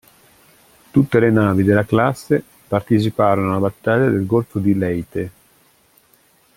Tutta le navi della classe parteciparono alla battaglia del Golfo di Leyte.